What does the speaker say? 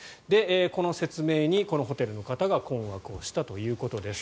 この説明にこのホテルの方が困惑をしたということです。